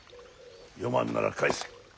読まぬなら返せ。